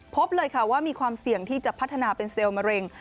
พบเลยค่ะว่ามีความเสี่ยงที่จะพัฒนาเป็นเซลล์มะเร็ง